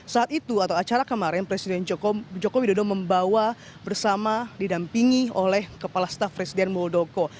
saat itu atau acara kemarin presiden joko widodo membawa bersama didampingi oleh kepala staf presiden muldoko